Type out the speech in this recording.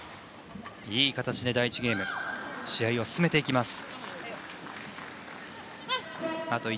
いい形で第１ゲーム試合を進めます。